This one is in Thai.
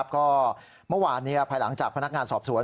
ก็เมื่อวานภายหลังจากพนักงานสอบสวน